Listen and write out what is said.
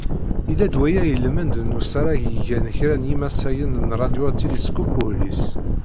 Yella-d waya ilmend n usarag i gan kra n yimasayen n radyu atiliskup uhlis.